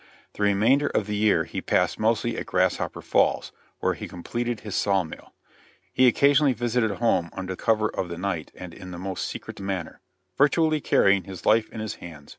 The remainder of the year he passed mostly at Grasshopper Falls, where he completed his saw mill. He occasionally visited home under cover of the night, and in the most secret manner; virtually carrying his life in his hand.